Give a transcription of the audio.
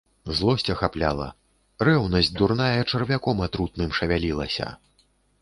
Злосць ахапляла, рэўнасць дурная чарвяком атрутным шавялілася.